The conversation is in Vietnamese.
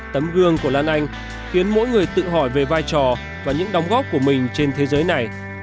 tấm gương của lan anh khiến mỗi người tự hỏi về vai trò và những đóng góp của mình trên thế giới này